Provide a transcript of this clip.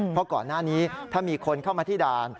เพราะก่อนหน้านี้ถ้ามีคนเข้ามาที่ด่าน